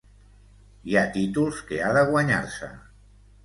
Hi ha títols que ha de guanyar-se.